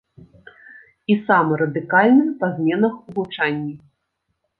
І самы радыкальны па зменах у гучанні.